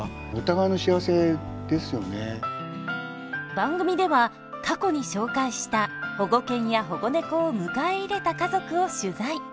番組では過去に紹介した保護犬や保護猫を迎え入れた家族を取材。